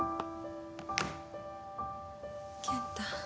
健太。